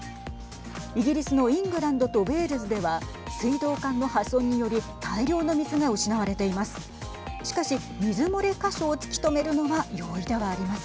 イギリスのイングランドとウェールズでは水道管の破損により大量の水が失われています。